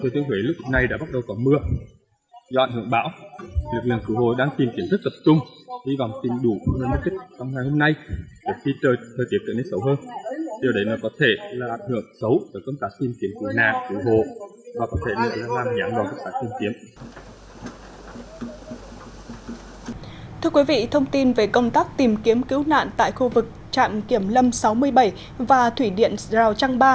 thưa quý vị thông tin về công tác tìm kiếm cứu nạn tại khu vực trạm kiểm lâm sáu mươi bảy và thủy điện giao trang ba